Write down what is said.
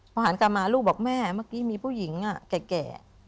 พอหันกลับมาลูกบอกแม่เมื่อกี้มีผู้หญิงแก่